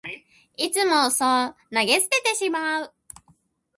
いつもそう投げ捨ててしまう